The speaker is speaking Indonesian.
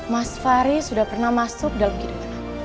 mas fahri sudah pernah masuk dalam kehidupan aku